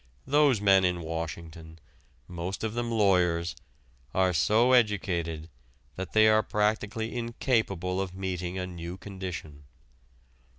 Those men in Washington, most of them lawyers, are so educated that they are practically incapable of meeting a new condition.